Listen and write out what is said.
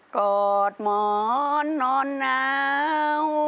กอดหมอนนอนหนาว